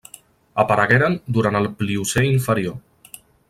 Aparegueren durant el Pliocè inferior.